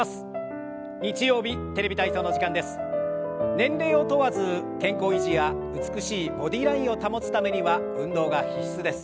年齢を問わず健康維持や美しいボディーラインを保つためには運動が必須です。